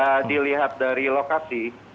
jika dilihat dari lokasi